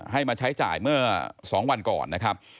ให้มาใช้จ่ายเมื่อ๒วันก่อนนะครับ